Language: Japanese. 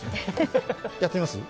やってみます？